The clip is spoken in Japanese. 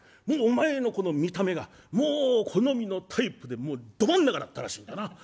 もうお前のこの見た目がもう好みのタイプでもうど真ん中だったらしいんだな。